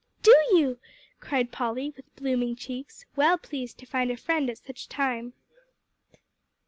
"Do you?" cried Polly with blooming cheeks, well pleased to find a friend at such a time.